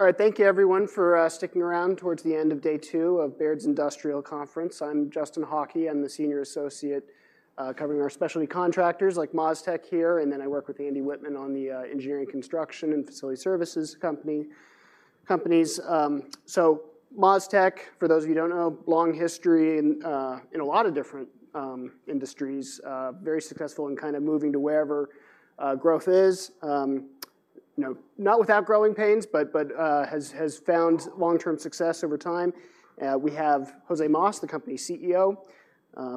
All right. Thank you everyone for sticking around towards the end of day two of Baird's Industrial Conference. I'm Justin Hauke. I'm the Senior Associate covering our specialty contractors like MasTec here, and then I work with Andrew Wittmann on the Engineering, Construction, and Facility Services companies. So MasTec, for those of you who don't know, long history in a lot of different industries. Very successful and kinda moving to wherever growth is. You know, not without growing pains, but has found long-term success over time. We have Jose Mas, the company's CEO,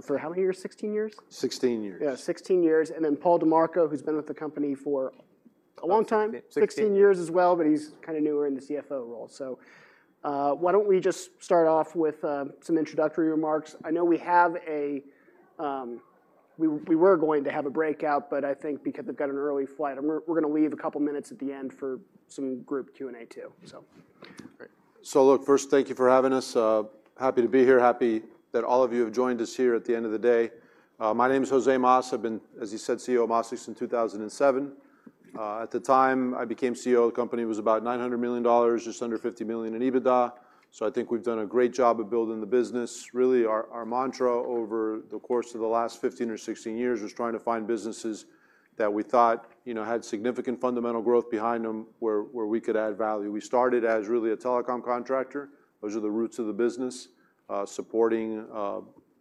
for how many years? 16 years? Sixteen years. Yeah, 16 years. Then Paul DiMarco, who's been with the company for a long time- Sixteen. Sixteen years as well, but he's kinda newer in the CFO role. So, why don't we just start off with some introductory remarks? I know we have a, we were going to have a breakout, but I think because they've got an early flight, and we're gonna leave a couple of minutes at the end for some group Q&A, too. So... Great. So look, first, thank you for having us. Happy to be here, happy that all of you have joined us here at the end of the day. My name is Jose Mas. I've been, as you said, CEO of MasTec since 2007. At the time I became CEO, the company was about $900 million, just under $50 million in EBITDA. So I think we've done a great job of building the business. Really, our, our mantra over the course of the last 15 or 16 years was trying to find businesses that we thought, you know, had significant fundamental growth behind them, where, where we could add value. We started as really a telecom contractor. Those are the roots of the business, supporting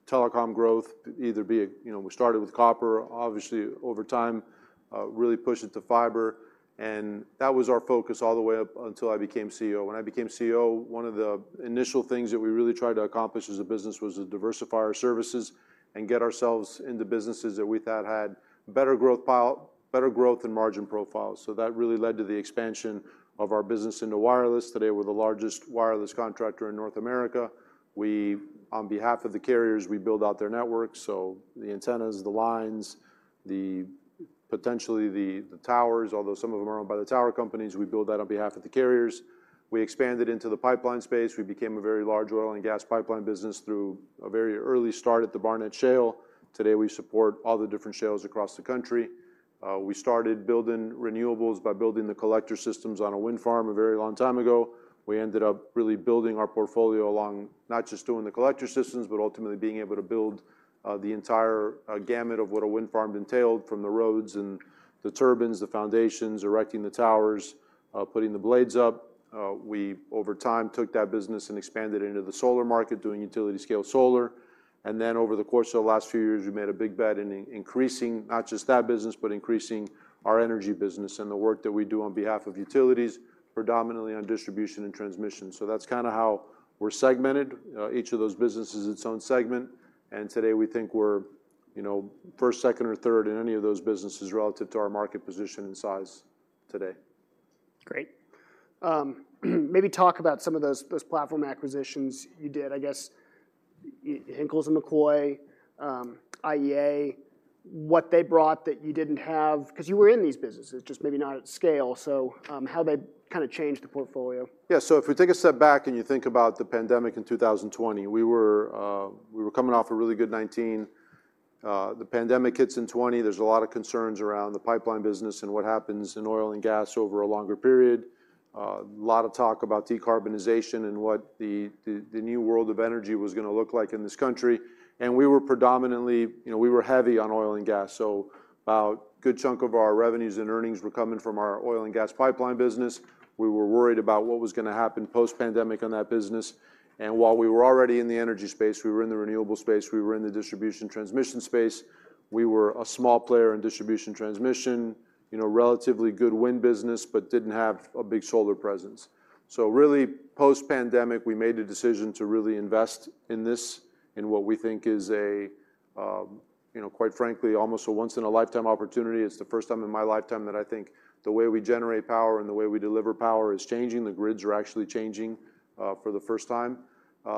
telecom growth. You know, we started with copper, obviously. Over time, really pushed it to fiber, and that was our focus all the way up until I became CEO. When I became CEO, one of the initial things that we really tried to accomplish as a business was to diversify our services and get ourselves into businesses that we thought had better growth and margin profiles. So that really led to the expansion of our business into wireless. Today, we're the largest wireless contractor in North America. We, on behalf of the carriers, build out their networks, so the antennas, the lines, the... potentially the towers, although some of them are owned by the tower companies, build that on behalf of the carriers. We expanded into the pipeline space. We became a very large oil and gas pipeline business through a very early start at the Barnett Shale. Today, we support all the different shales across the country. We started building renewables by building the collector systems on a wind farm a very long time ago. We ended up really building our portfolio along, not just doing the collector systems, but ultimately being able to build, the entire, gamut of what a wind farm entailed, from the roads and the turbines, the foundations, erecting the towers, putting the blades up. We, over time, took that business and expanded into the solar market, doing utility-scale solar. And then over the course of the last few years, we made a big bet in increasing not just that business, but increasing our energy business and the work that we do on behalf of utilities, predominantly on distribution and transmission. So that's kinda how we're segmented. Each of those businesses is its own segment, and today, we think we're, you know, first, second, or third in any of those businesses relative to our market position and size today. Great. Maybe talk about some of those platform acquisitions you did. I guess, Henkels & McCoy, IEA, what they brought that you didn't have, 'cause you were in these businesses, just maybe not at scale. So, how they kinda changed the portfolio? Yeah. So if we take a step back and you think about the pandemic in 2020, we were, we were coming off a really good 2019. The pandemic hits in 2020. There's a lot of concerns around the pipeline business and what happens in oil and gas over a longer period. A lot of talk about decarbonization and what the, the, the new world of energy was gonna look like in this country, and we were predominantly, you know, we were heavy on oil and gas. So about a good chunk of our revenues and earnings were coming from our oil and gas pipeline business. We were worried about what was gonna happen post-pandemic on that business. And while we were already in the energy space, we were in the renewable space, we were in the distribution transmission space, we were a small player in distribution transmission, you know, relatively good wind business, but didn't have a big solar presence. So really, post-pandemic, we made a decision to really invest in this, in what we think is a, you know, quite frankly, almost a once-in-a-lifetime opportunity. It's the first time in my lifetime that I think the way we generate power and the way we deliver power is changing. The grids are actually changing for the first time.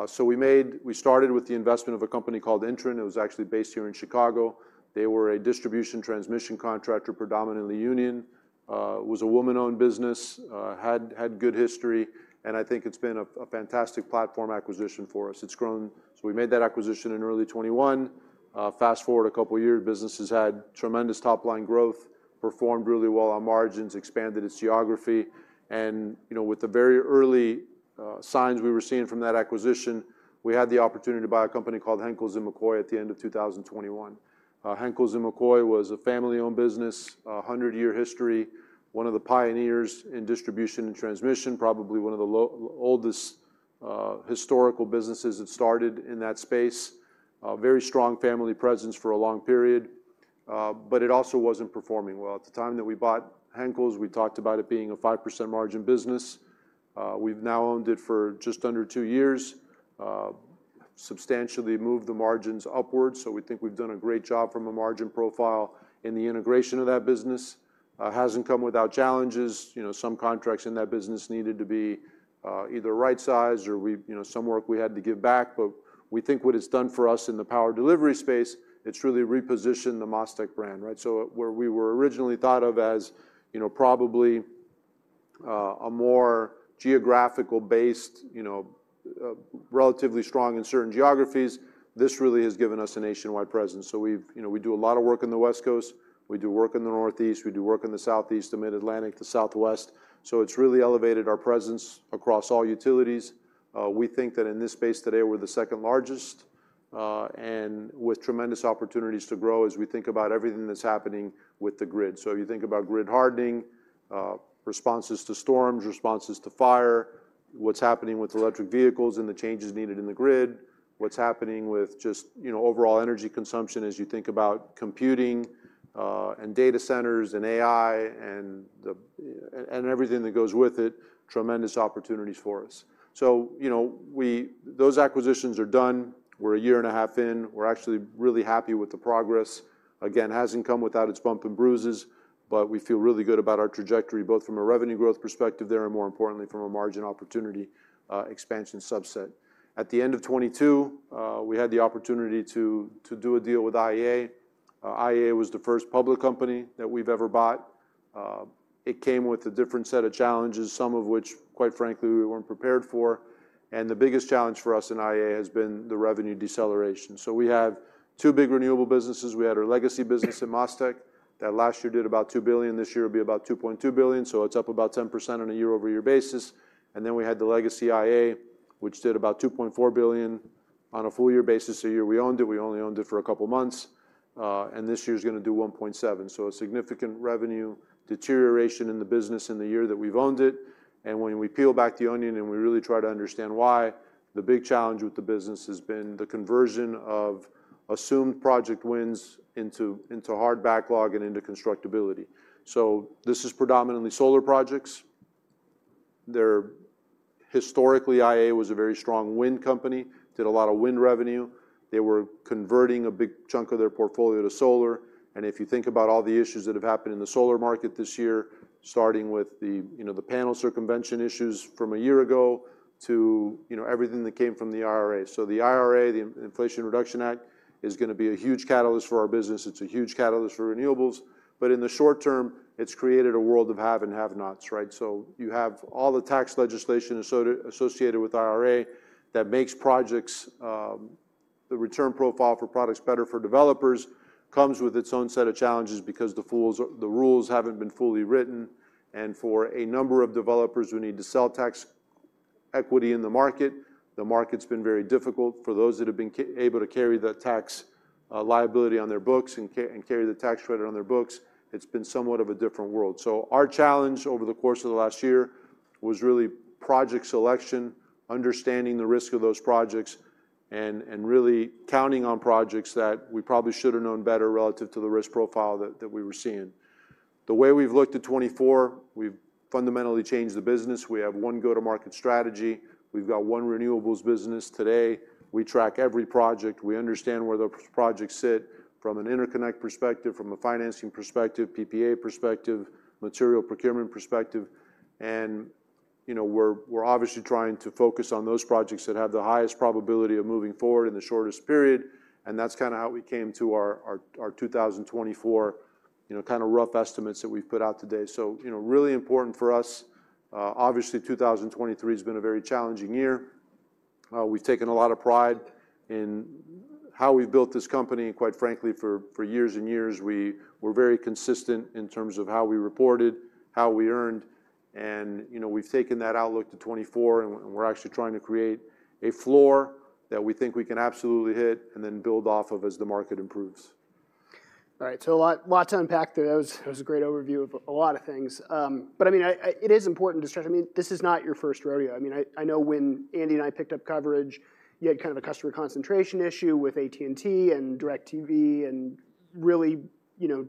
So we started with the investment of a company called INTREN. It was actually based here in Chicago. They were a distribution transmission contractor, predominantly union, was a woman-owned business, had good history, and I think it's been a fantastic platform acquisition for us. It's grown... So we made that acquisition in early 2021. Fast-forward a couple of years, business has had tremendous top-line growth, performed really well on margins, expanded its geography, and, you know, with the very early signs we were seeing from that acquisition, we had the opportunity to buy a company called Henkels & McCoy at the end of 2021. Henkels & McCoy was a family-owned business, a hundred-year history, one of the pioneers in distribution and transmission, probably one of the oldest historical businesses that started in that space. Very strong family presence for a long period, but it also wasn't performing well. At the time that we bought Henkels, we talked about it being a 5% margin business. We've now owned it for just under two years, substantially moved the margins upwards, so we think we've done a great job from a margin profile in the integration of that business. Hasn't come without challenges. You know, some contracts in that business needed to be, either right-sized or we, you know, some work we had to give back, but we think what it's done for us in the Power Delivery space, it's really repositioned the MasTec brand, right? So where we were originally thought of as, you know, probably, a more geographical based, you know, relatively strong in certain geographies, this really has given us a nationwide presence. So we've, you know, we do a lot of work on the West Coast, we do work in the Northeast, we do work in the Southeast, the Mid-Atlantic, the Southwest. So it's really elevated our presence across all utilities. We think that in this space today, we're the second largest... and with tremendous opportunities to grow as we think about everything that's happening with the grid. So if you think about grid hardening, responses to storms, responses to fire, what's happening with electric vehicles and the changes needed in the grid, what's happening with just, you know, overall energy consumption as you think about computing, and data centers and AI, and the, and, and everything that goes with it, tremendous opportunities for us. So, you know, we, those acquisitions are done. We're a year and a half in. We're actually really happy with the progress. Again, hasn't come without its bump and bruises, but we feel really good about our trajectory, both from a revenue growth perspective there, and more importantly, from a margin opportunity, expansion subset. At the end of 2022, we had the opportunity to do a deal with IEA. IEA was the first public company that we've ever bought. It came with a different set of challenges, some of which, quite frankly, we weren't prepared for, and the biggest challenge for us in IEA has been the revenue deceleration. So we have two big renewable businesses. We had our legacy business in MasTec, that last year did about $2 billion, this year will be about $2.2 billion, so it's up about 10% on a year-over-year basis. Then we had the legacy IEA, which did about $2.4 billion on a full year basis, the year we owned it, we only owned it for a couple of months, and this year's gonna do $1.7 billion. So a significant revenue deterioration in the business in the year that we've owned it, and when we peel back the onion and we really try to understand why, the big challenge with the business has been the conversion of assumed project wins into, into hard backlog and into constructability. So this is predominantly solar projects. They're historically, IEA was a very strong wind company, did a lot of wind revenue. They were converting a big chunk of their portfolio to solar, and if you think about all the issues that have happened in the solar market this year, starting with the, you know, the panel circumvention issues from a year ago to, you know, everything that came from the IRA. So the IRA, the Inflation Reduction Act, is gonna be a huge catalyst for our business. It's a huge catalyst for renewables, but in the short term, it's created a world of have and have-nots, right? So you have all the tax legislation associated with IRA that makes projects. The return profile for products better for developers, comes with its own set of challenges because the rules haven't been fully written, and for a number of developers who need to sell tax equity in the market, the market's been very difficult. For those that have been able to carry the tax liability on their books and carry the tax credit on their books, it's been somewhat of a different world. So our challenge over the course of the last year was really project selection, understanding the risk of those projects, and really counting on projects that we probably should have known better relative to the risk profile that we were seeing. The way we've looked at 2024, we've fundamentally changed the business. We have one go-to-market strategy. We've got one renewables business today. We track every project. We understand where the projects sit from an interconnect perspective, from a financing perspective, PPA perspective, material procurement perspective. You know, we're obviously trying to focus on those projects that have the highest probability of moving forward in the shortest period, and that's kinda how we came to our 2024, you know, kinda rough estimates that we've put out today. So, you know, really important for us. Obviously, 2023 has been a very challenging year. We've taken a lot of pride in how we've built this company, and quite frankly, for years and years, we were very consistent in terms of how we reported, how we earned, and, you know, we've taken that outlook to 2024, and we're actually trying to create a floor that we think we can absolutely hit and then build off of as the market improves. All right. So a lot, lots to unpack there. That was, that was a great overview of a lot of things. But I mean, it is important to stress, I mean, this is not your first rodeo. I mean, I know when Andy and I picked up coverage, you had kind of a customer concentration issue with AT&T and DirecTV and really, you know,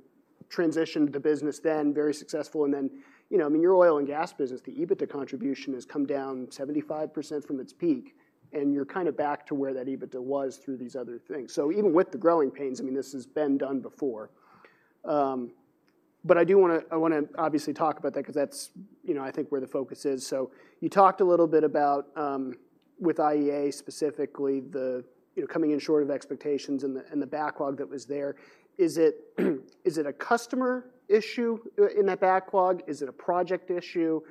transitioned the business then, very successful. And then, you know, I mean, your oil and gas business, the EBITDA contribution has come down 75% from its peak, and you're kinda back to where that EBITDA was through these other things. So even with the growing pains, I mean, this has been done before. But I do wanna, I wanna obviously talk about that 'cause that's, you know, I think, where the focus is. So you talked a little bit about with IEA specifically, the, you know, coming in short of expectations and the, and the backlog that was there. Is it, is it a customer issue in that backlog? Is it a project issue?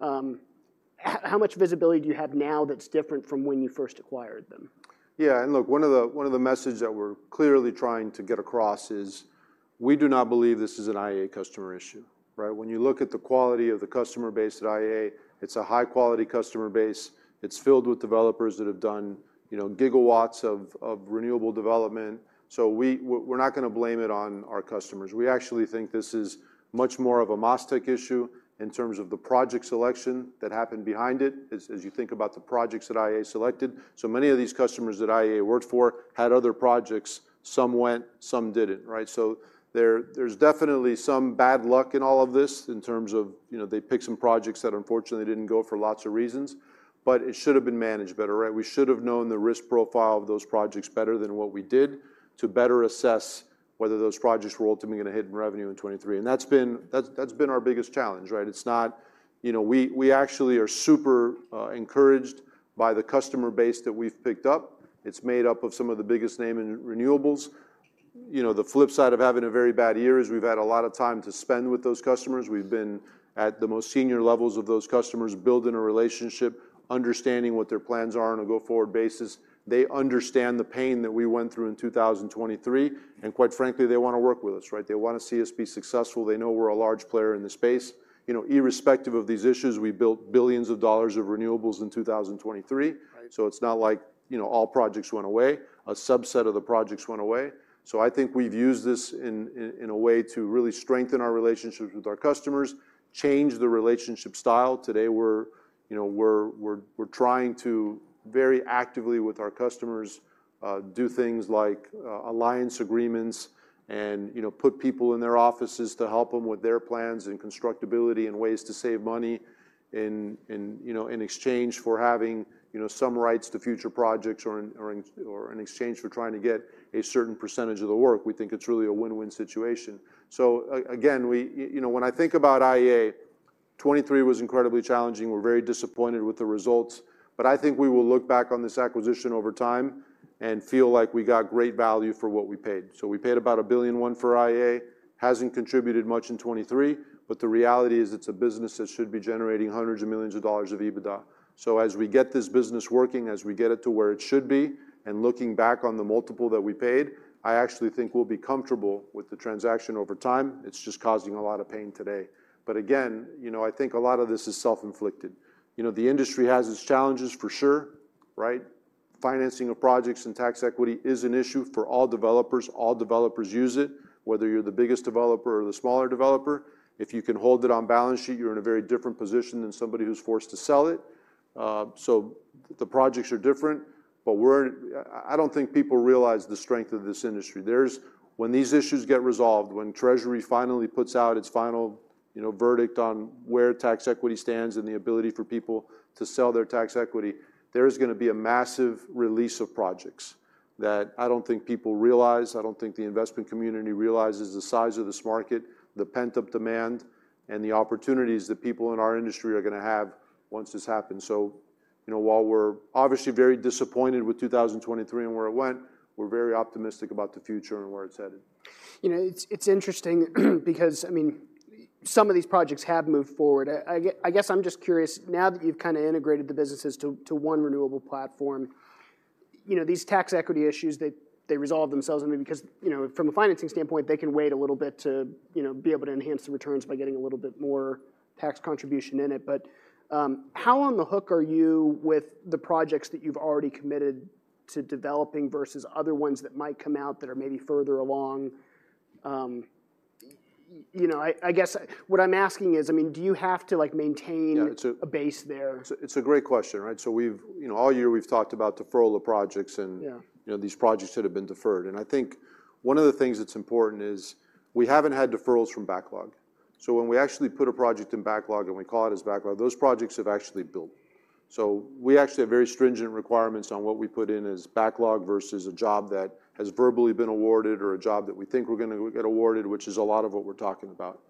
How much visibility do you have now that's different from when you first acquired them? Yeah, and look, one of the messages that we're clearly trying to get across is we do not believe this is an IEA customer issue, right? When you look at the quality of the customer base at IEA, it's a high-quality customer base. It's filled with developers that have done, you know, gigawatts of renewable development. So we're not gonna blame it on our customers. We actually think this is much more of a MasTec issue in terms of the project selection that happened behind it, as you think about the projects that IEA selected. So many of these customers that IEA worked for had other projects. Some went, some didn't, right? So, there's definitely some bad luck in all of this in terms of, you know, they picked some projects that unfortunately didn't go for lots of reasons, but it should have been managed better, right? We should have known the risk profile of those projects better than what we did to better assess whether those projects were ultimately gonna hit in revenue in 2023. And that's been our biggest challenge, right? It's not... You know, we actually are super encouraged by the customer base that we've picked up. It's made up of some of the biggest name in renewables. You know, the flip side of having a very bad year is we've had a lot of time to spend with those customers. We've been at the most senior levels of those customers, building a relationship, understanding what their plans are on a go-forward basis. They understand the pain that we went through in 2023, and quite frankly, they wanna work with us, right? They wanna see us be successful. They know we're a large player in the space. You know, irrespective of these issues, we built billions of dollars of renewables in 2023. Right. So it's not like, you know, all projects went away. A subset of the projects went away. So I think we've used this in a way to really strengthen our relationships with our customers, change the relationship style. Today, we're you know, we're trying to very actively with our customers do things like alliance agreements and, you know, put people in their offices to help them with their plans and constructability and ways to save money in, you know, in exchange for having, you know, some rights to future projects or in exchange for trying to get a certain percentage of the work. We think it's really a win-win situation. So again, we, you know, when I think about IEA, 2023 was incredibly challenging. We're very disappointed with the results, but I think we will look back on this acquisition over time and feel like we got great value for what we paid. So we paid about $1.1 billion for IEA, hasn't contributed much in 2023, but the reality is it's a business that should be generating hundreds of millions of dollars of EBITDA. So as we get this business working, as we get it to where it should be, and looking back on the multiple that we paid, I actually think we'll be comfortable with the transaction over time. It's just causing a lot of pain today. But again, you know, I think a lot of this is self-inflicted. You know, the industry has its challenges for sure, right? Financing of projects and tax equity is an issue for all developers. All developers use it, whether you're the biggest developer or the smaller developer. If you can hold it on balance sheet, you're in a very different position than somebody who's forced to sell it. So the projects are different, but I don't think people realize the strength of this industry. There's, when these issues get resolved, when Treasury finally puts out its final, you know, verdict on where tax equity stands and the ability for people to sell their tax equity, there is gonna be a massive release of projects that I don't think people realize. I don't think the investment community realizes the size of this market, the pent-up demand, and the opportunities that people in our industry are gonna have once this happens. So, you know, while we're obviously very disappointed with 2023 and where it went, we're very optimistic about the future and where it's headed. You know, it's interesting because, I mean, some of these projects have moved forward. I guess I'm just curious, now that you've kinda integrated the businesses to one renewable platform, you know, these tax equity issues, they resolve themselves. I mean, because, you know, from a financing standpoint, they can wait a little bit to, you know, be able to enhance the returns by getting a little bit more tax contribution in it. But, how on the hook are you with the projects that you've already committed to developing versus other ones that might come out that are maybe further along? You know, I guess what I'm asking is, I mean, do you have to, like, maintain- Yeah, it's a base there? It's, it's a great question, right? So we've... You know, all year, we've talked about deferral of projects, and- Yeah... you know, these projects that have been deferred. I think one of the things that's important is we haven't had deferrals from backlog. So when we actually put a project in backlog and we call it as backlog, those projects have actually built. So we actually have very stringent requirements on what we put in as backlog versus a job that has verbally been awarded or a job that we think we're gonna get awarded, which is a lot of what we're talking about.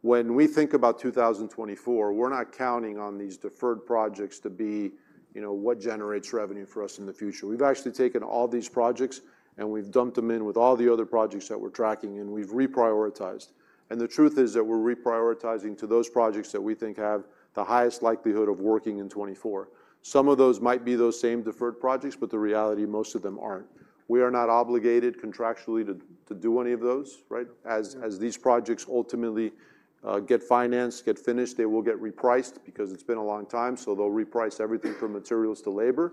When we think about 2024, we're not counting on these deferred projects to be, you know, what generates revenue for us in the future. We've actually taken all these projects, and we've dumped them in with all the other projects that we're tracking, and we've reprioritized. The truth is that we're reprioritizing to those projects that we think have the highest likelihood of working in 2024. Some of those might be those same deferred projects, but the reality, most of them aren't. We are not obligated contractually to do any of those, right? Yeah. As, as these projects ultimately get financed, get finished, they will get repriced because it's been a long time, so they'll reprice everything from materials to labor.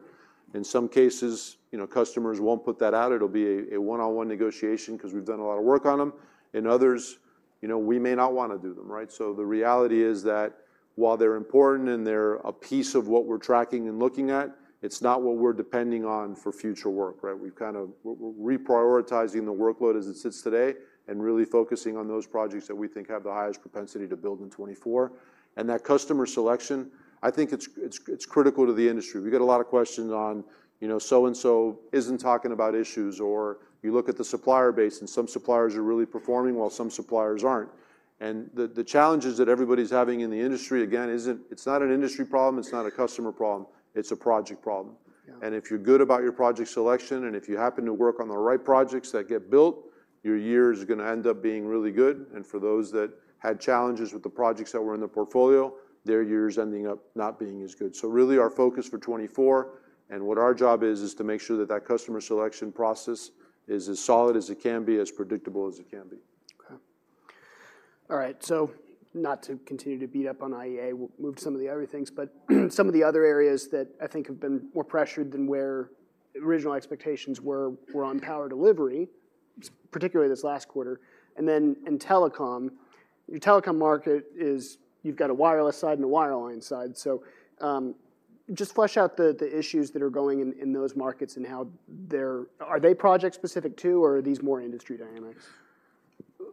In some cases, you know, customers won't put that out. It'll be a, a one-on-one negotiation 'cause we've done a lot of work on them. In others, you know, we may not wanna do them, right? So the reality is that while they're important and they're a piece of what we're tracking and looking at, it's not what we're depending on for future work, right? We've kind of... we're reprioritizing the workload as it sits today and really focusing on those projects that we think have the highest propensity to build in 2024. And that customer selection, I think it's, it's, it's critical to the industry. We get a lot of questions on, you know, so and so isn't talking about issues, or you look at the supplier base, and some suppliers are really performing while some suppliers aren't. And the challenges that everybody's having in the industry, again, isn't. It's not an industry problem, it's not a customer problem, it's a project problem. Yeah. If you're good about your project selection, and if you happen to work on the right projects that get built, your year is gonna end up being really good. For those that had challenges with the projects that were in the portfolio, their year is ending up not being as good. Really, our focus for 2024 and what our job is, is to make sure that that customer selection process is as solid as it can be, as predictable as it can be. Okay. All right, so not to continue to beat up on IEA, we'll move to some of the other things. But some of the other areas that I think have been more pressured than where original expectations were, were on Power Delivery, particularly this last quarter, and then in telecom. Your telecom market is, you've got a wireless side and a wireline side. So, just flesh out the issues that are going in, in those markets and how they're... Are they project-specific too, or are these more industry dynamics?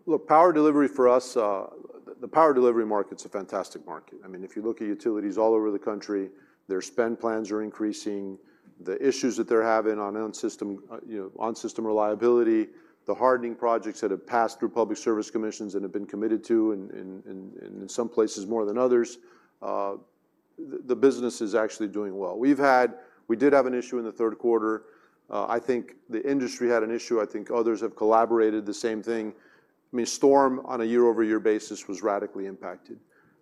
Look, Power Delivery for us, the Power Delivery market's a fantastic market. I mean, if you look at utilities all over the country, their spend plans are increasing. The issues that they're having on system, you know, on system reliability, the hardening projects that have passed through public service commissions and have been committed to, and in some places more than others, the business is actually doing well. We did have an issue in the third quarter. I think the industry had an issue. I think others have corroborated the same thing. I mean, storm on a year-over-year basis was radically impacted.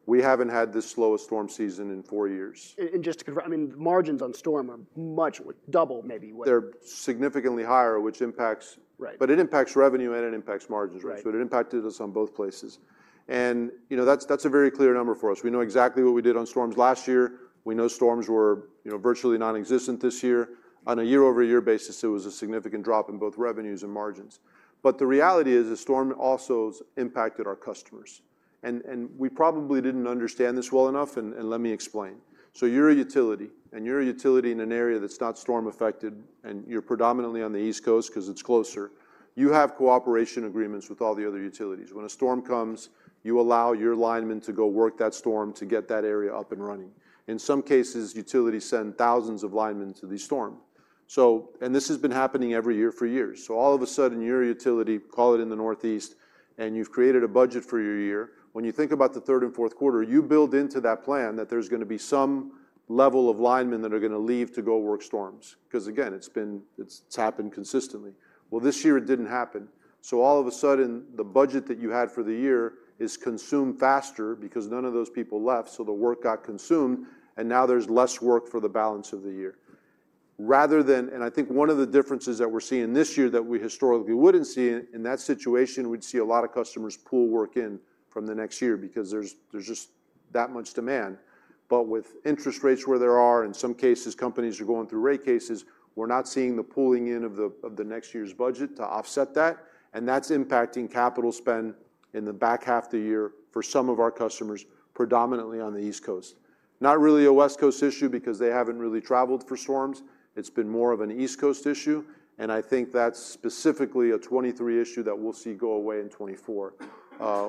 We haven't had this slow a storm season in four years. Just to confirm, I mean, margins on storm are much, like double, maybe what- They're significantly higher, which impacts- Right. But it impacts revenue, and it impacts margins, right? Right. So it impacted us on both places. You know, that's a very clear number for us. We know exactly what we did on storms last year. We know storms were, you know, virtually nonexistent this year. On a year-over-year basis, it was a significant drop in both revenues and margins. But the reality is, the storm also has impacted our customers.... We probably didn't understand this well enough, and let me explain. So you're a utility, and you're a utility in an area that's not storm affected, and you're predominantly on the East Coast 'cause it's closer. You have cooperation agreements with all the other utilities. When a storm comes, you allow your linemen to go work that storm to get that area up and running. In some cases, utilities send thousands of linemen to the storm. So, and this has been happening every year for years. So all of a sudden, you're a utility, call it in the Northeast, and you've created a budget for your year. When you think about the third and fourth quarter, you build into that plan that there's gonna be some level of linemen that are gonna leave to go work storms. 'Cause again, it's been. It's happened consistently. Well, this year it didn't happen. So all of a sudden, the budget that you had for the year is consumed faster because none of those people left, so the work got consumed, and now there's less work for the balance of the year. Rather than, and I think one of the differences that we're seeing this year that we historically wouldn't see in that situation, we'd see a lot of customers pool work in from the next year because there's just that much demand. But with interest rates where they are, in some cases, companies are going through rate cases, we're not seeing the pooling in of the next year's budget to offset that, and that's impacting capital spend in the back half of the year for some of our customers, predominantly on the East Coast. Not really a West Coast issue because they haven't really traveled for storms. It's been more of an East Coast issue, and I think that's specifically a 2023 issue that we'll see go away in 2024.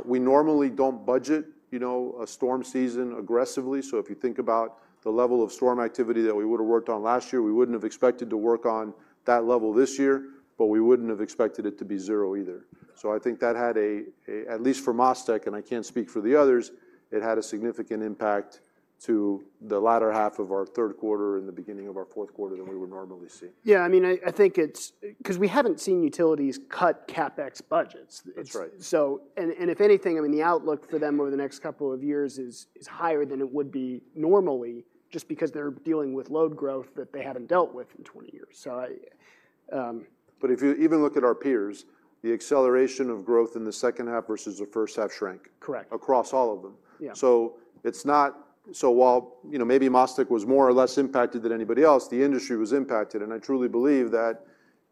We normally don't budget, you know, a storm season aggressively. So if you think about the level of storm activity that we would have worked on last year, we wouldn't have expected to work on that level this year, but we wouldn't have expected it to be zero either. So I think that had, at least for MasTec, and I can't speak for the others, it had a significant impact to the latter half of our third quarter and the beginning of our fourth quarter than we would normally see. Yeah, I mean, I, I think it's 'cause we haven't seen utilities cut CapEx budgets. That's right. If anything, I mean, the outlook for them over the next couple of years is higher than it would be normally just because they're dealing with load growth that they haven't dealt with in 20 years. So I But if you even look at our peers, the acceleration of growth in the second half versus the first half shrank. Correct... across all of them. Yeah. So while, you know, maybe MasTec was more or less impacted than anybody else, the industry was impacted, and I truly believe that,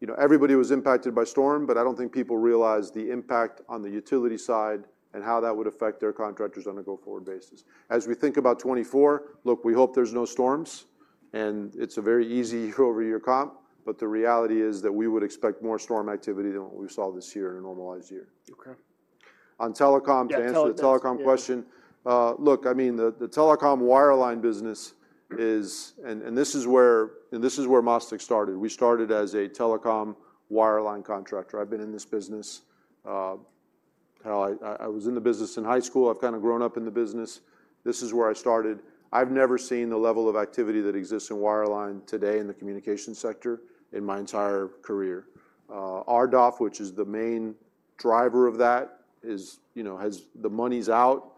you know, everybody was impacted by storm, but I don't think people realize the impact on the utility side and how that would affect their contractors on a go-forward basis. As we think about 2024, look, we hope there's no storms, and it's a very easy year-over-year comp, but the reality is that we would expect more storm activity than what we saw this year in a normalized year. Okay. On telecom- Yeah, telecom. To answer the telecom question, look, I mean, the telecom wireline business is... And this is where MasTec started. We started as a telecom wireline contractor. I've been in this business, hell, I was in the business in high school. I've kinda grown up in the business. This is where I started. I've never seen the level of activity that exists in wireline today in the communication sector in my entire career. RDOF, which is the main driver of that, is, you know, has - the money's out.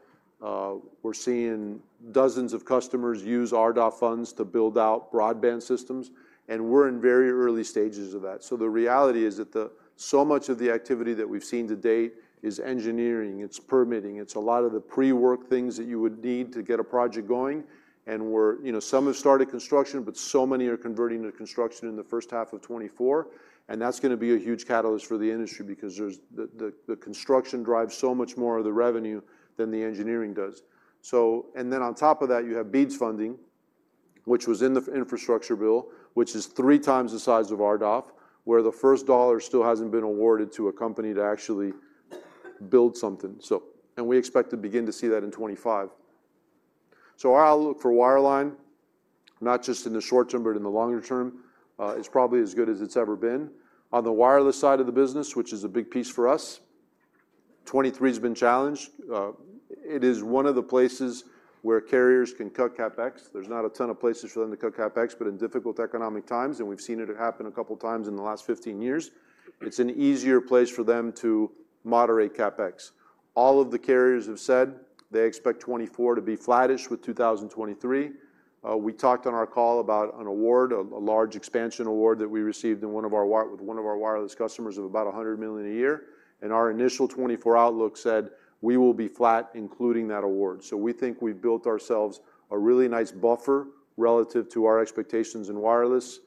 We're seeing dozens of customers use RDOF funds to build out broadband systems, and we're in very early stages of that. So the reality is that so much of the activity that we've seen to date is engineering, it's permitting, it's a lot of the pre-work things that you would need to get a project going, and we're, you know, some have started construction, but so many are converting to construction in the first half of 2024, and that's gonna be a huge catalyst for the industry because the construction drives so much more of the revenue than the engineering does. So, and then on top of that, you have BEAD funding, which was in the infrastructure bill, which is three times the size of RDOF, where the first dollar still hasn't been awarded to a company to actually build something. So, and we expect to begin to see that in 2025. So our outlook for wireline, not just in the short term, but in the longer term, is probably as good as it's ever been. On the wireless side of the business, which is a big piece for us, 2023's been challenged. It is one of the places where carriers can cut CapEx. There's not a ton of places for them to cut CapEx, but in difficult economic times, and we've seen it happen a couple times in the last 15 years, it's an easier place for them to moderate CapEx. All of the carriers have said they expect 2024 to be flattish with 2023. We talked on our call about an award, a large expansion award that we received with one of our wireless customers of about $100 million a year, and our initial 2024 outlook said we will be flat, including that award. So we think we've built ourselves a really nice buffer relative to our expectations in wireless,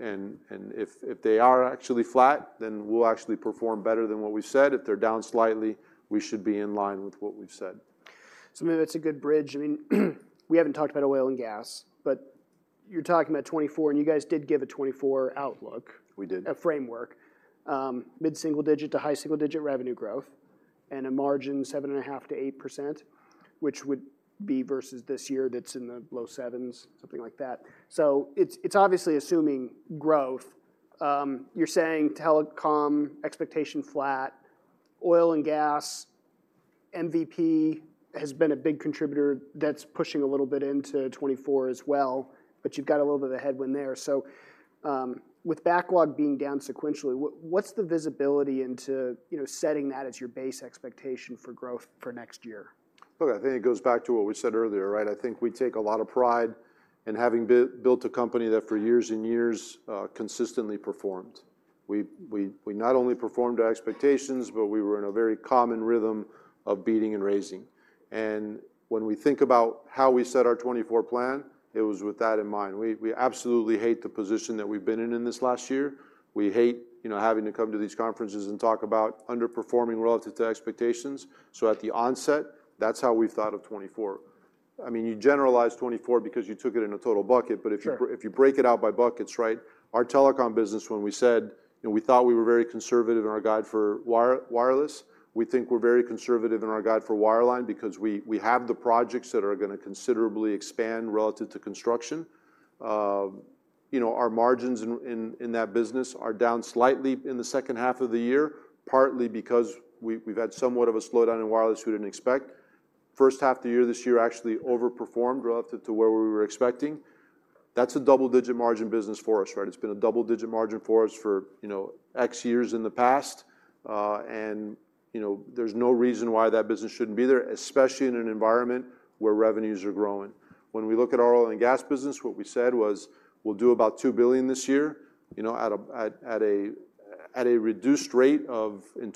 and if they are actually flat, then we'll actually perform better than what we've said. If they're down slightly, we should be in line with what we've said. So maybe that's a good bridge. I mean, we haven't talked about oil and gas, but you're talking about 2024, and you guys did give a 2024 outlook- We did. a framework. Mid-single-digit to high-single-digit revenue growth and a margin 7.5%-8%, which would be versus this year, that's in the low sevens, something like that. So it's, it's obviously assuming growth. You're saying telecom, expectation flat, oil and gas, MVP has been a big contributor that's pushing a little bit into 2024 as well, but you've got a little bit of a headwind there. So, with backlog being down sequentially, what, what's the visibility into, you know, setting that as your base expectation for growth for next year? Look, I think it goes back to what we said earlier, right? I think we take a lot of pride in having built a company that for years and years consistently performed. We not only performed our expectations, but we were in a very common rhythm of beating and raising. And when we think about how we set our 2024 plan, it was with that in mind. We absolutely hate the position that we've been in in this last year. We hate, you know, having to come to these conferences and talk about underperforming relative to expectations. So at the onset, that's how we thought of 2024. I mean, you generalize 2024 because you took it in a total bucket. Sure. But if you break it out by buckets, right? Our telecom business, when we said, you know, we thought we were very conservative in our guide for wireless. We think we're very conservative in our guide for wireline because we have the projects that are gonna considerably expand relative to construction. You know, our margins in that business are down slightly in the second half of the year, partly because we've had somewhat of a slowdown in wireless we didn't expect. First half of the year this year actually overperformed relative to where we were expecting. That's a double-digit margin business for us, right? It's been a double-digit margin for us for, you know, X years in the past. And, you know, there's no reason why that business shouldn't be there, especially in an environment where revenues are growing. When we look at our oil and gas business, what we said was, we'll do about $2 billion this year, you know, at a reduced rate of $1.8 billion in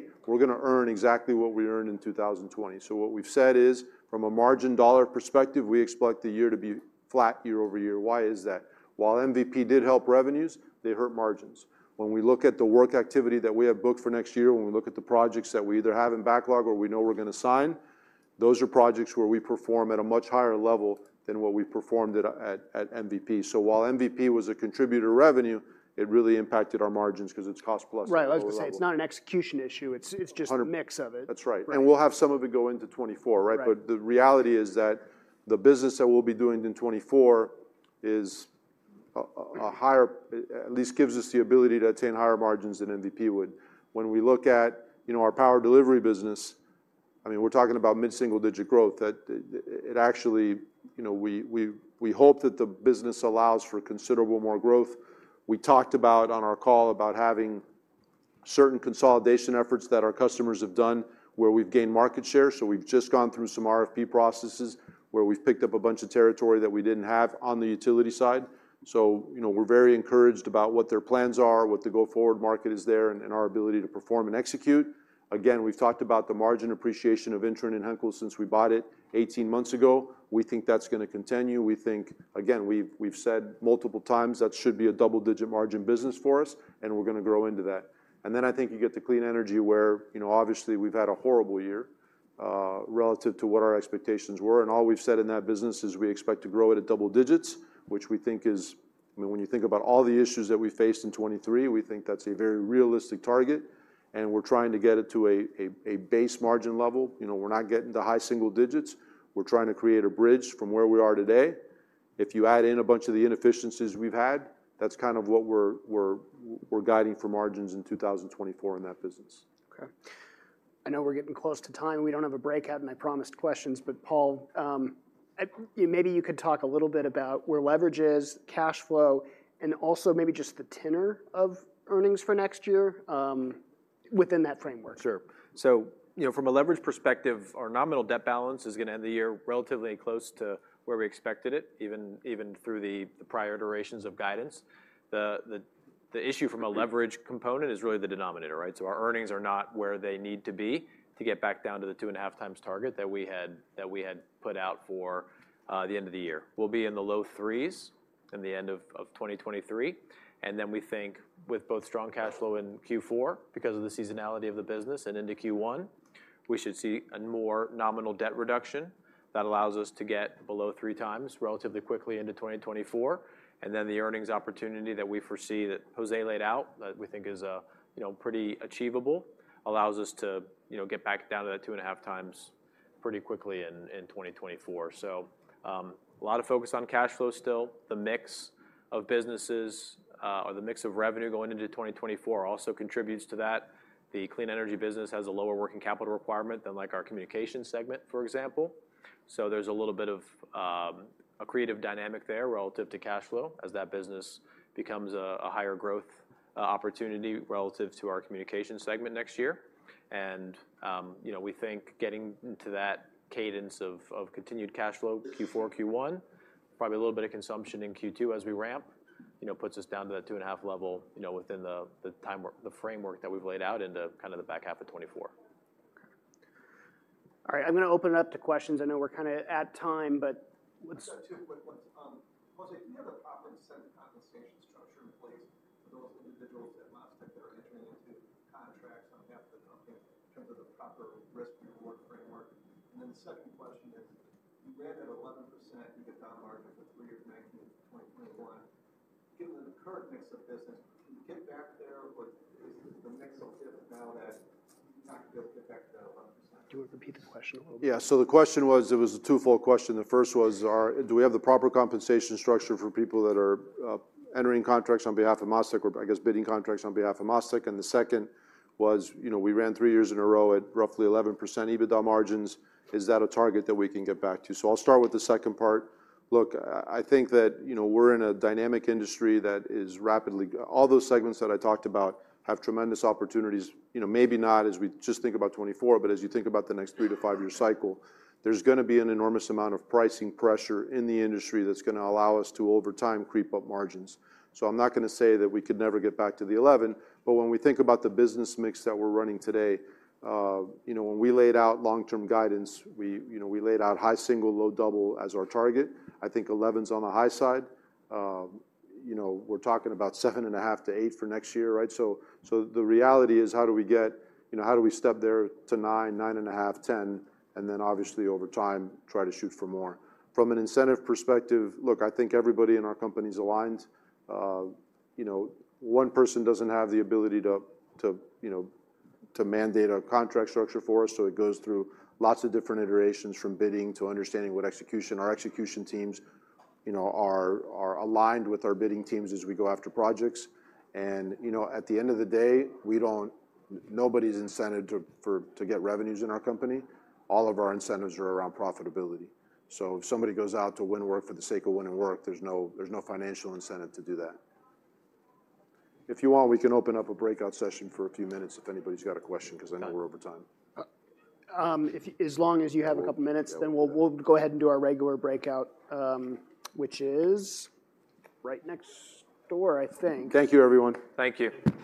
2024. We're gonna earn exactly what we earned in 2020. So what we've said is, from a margin dollar perspective, we expect the year to be flat year-over-year. Why is that? While MVP did help revenues, they hurt margins. When we look at the work activity that we have booked for next year, when we look at the projects that we either have in backlog or we know we're gonna sign, those are projects where we perform at a much higher level than what we performed at MVP. So while MVP was a contributor to revenue, it really impacted our margins 'cause it's cost plus- Right. I was gonna say it's not an execution issue, it's- Hundred... it's just a mix of it. That's right. Right. We'll have some of it go into 2024, right? Right. But the reality is that the business that we'll be doing in 2024 is a higher, at least gives us the ability to attain higher margins than MVP would. When we look at, you know, our Power Delivery business, I mean, we're talking about mid-single-digit growth, that actually, you know, we hope that the business allows for considerable more growth. We talked about on our call about having certain consolidation efforts that our customers have done, where we've gained market share. So we've just gone through some RFP processes, where we've picked up a bunch of territory that we didn't have on the utility side. So, you know, we're very encouraged about what their plans are, what the go-forward market is there, and our ability to perform and execute. Again, we've talked about the margin appreciation of INTREN and Henkels since we bought it 18 months ago. We think that's gonna continue. We think, again, we've, we've said multiple times, that should be a double-digit margin business for us, and we're gonna grow into that. And then I think you get to clean energy, where, you know, obviously, we've had a horrible year relative to what our expectations were. And all we've said in that business is we expect to grow it at double digits, which we think is... I mean, when you think about all the issues that we faced in 2023, we think that's a very realistic target, and we're trying to get it to a base margin level. You know, we're not getting to high single digits. We're trying to create a bridge from where we are today. If you add in a bunch of the inefficiencies we've had, that's kind of what we're guiding for margins in 2024 in that business. Okay. I know we're getting close to time. We don't have a breakout, and I promised questions. But, Paul, maybe you could talk a little bit about where leverage is, cash flow, and also maybe just the tenor of earnings for next year, within that framework. Sure. So, you know, from a leverage perspective, our nominal debt balance is gonna end the year relatively close to where we expected it, even through the prior durations of guidance. The issue from a leverage component is really the denominator, right? So our earnings are not where they need to be to get back down to the 2.5x target that we had put out for the end of the year. We'll be in the low threes in the end of 2023, and then we think with both strong cash flow in Q4, because of the seasonality of the business and into Q1, we should see a more nominal debt reduction that allows us to get below 3x relatively quickly into 2024. And then the earnings opportunity that we foresee, that Jose laid out, that we think is, you know, pretty achievable, allows us to, you know, get back down to that 2.5 times pretty quickly in 2024. So, a lot of focus on cash flow still. The mix of businesses, or the mix of revenue going into 2024 also contributes to that. The clean energy business has a lower working capital requirement than, like, our communication segment, for example. So there's a little bit of a creative dynamic there relative to cash flow, as that business becomes a higher growth opportunity relative to our communication segment next year. You know, we think getting to that cadence of continued cash flow, Q4, Q1, probably a little bit of consumption in Q2 as we ramp, you know, puts us down to that 2.5 level, you know, within the framework that we've laid out into kinda the back half of 2024. Okay. All right, I'm gonna open it up to questions. I know we're kinda at time, but let's- I've got two quick ones. Jose, do you have a proper incentive compensation structure in place for those individuals at MasTec that are entering into contracts on behalf of the company in terms of the proper risk reward framework? And then the second question is, you ran at 11% EBITDA margin for three years, 2019 to 2021. Given the current mix of business, can you get back there, or is the mix so different now that you're not gonna be able to get back to that 11%? Do you want to repeat the question one more time? Yeah. So the question was, it was a twofold question. The first was, do we have the proper compensation structure for people that are entering contracts on behalf of MasTec, or I guess, bidding contracts on behalf of MasTec? And the second was, you know, we ran three years in a row at roughly 11% EBITDA margins. Is that a target that we can get back to? So I'll start with the second part. Look, I think that, you know, we're in a dynamic industry that is rapidly... All those segments that I talked about have tremendous opportunities, you know, maybe not as we just think about 2024, but as you think about the next three- to five-year cycle, there's gonna be an enormous amount of pricing pressure in the industry that's gonna allow us to, over time, creep up margins. So I'm not gonna say that we could never get back to the 11, but when we think about the business mix that we're running today, you know, when we laid out long-term guidance, we, you know, we laid out high-single, low-double as our target. I think 11's on the high side. You know, we're talking about 7.5 to eight for next year, right? So the reality is, how do we get, you know, how do we step there to nine, 9.5, 10, and then obviously, over time, try to shoot for more? From an incentive perspective, look, I think everybody in our company is aligned. You know, one person doesn't have the ability to mandate a contract structure for us, so it goes through lots of different iterations, from bidding to understanding what execution. Our execution teams, you know, are aligned with our bidding teams as we go after projects. And, you know, at the end of the day, we don't—nobody's incentive to get revenues in our company. All of our incentives are around profitability. So if somebody goes out to win work for the sake of winning work, there's no financial incentive to do that. If you want, we can open up a breakout session for a few minutes, if anybody's got a question, 'cause I know we're over time. As long as you have a couple of minutes, then we'll go ahead and do our regular breakout, which is right next door, I think. Thank you, everyone. Thank you.